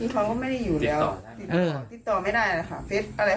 เขาก็ไม่ได้ทำอะไร